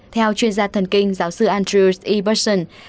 theo chuyên gia thần kinh giáo sư andrew e burson